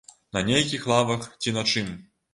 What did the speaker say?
На нейкіх лавах, ці на чым.